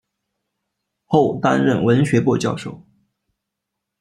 后担任文学部教授。